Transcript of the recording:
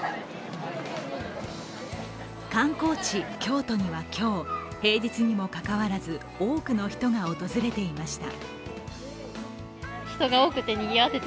観光地・京都には今日、平日にもかかわらず、多くの人が訪れていました。